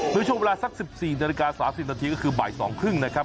เมื่อช่วงเวลาสัก๑๔นาฬิกา๓๐นาทีก็คือบ่าย๒๓๐นะครับ